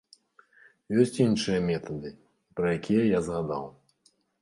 Ёсць іншыя метады, пра якія я згадаў.